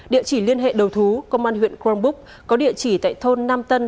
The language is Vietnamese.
địa chỉ liên hệ đầu thú công an huyện gromboop có địa chỉ tại thôn nam tân